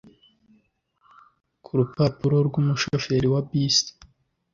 Kurupapuro rwumutwe umushoferi wa bisi